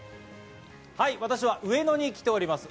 私は上野に来ております。